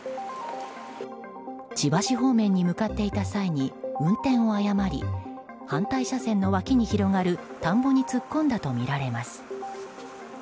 千葉市方面に向かっていた際に運転を誤り反対車線の脇に広がる田んぼに突っ込んだとみられます。